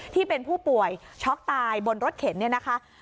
ที่เป็นผู้ป่วยช็อกตายบนรถเข็น